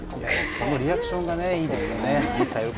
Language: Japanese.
このリアクションがいいですよね。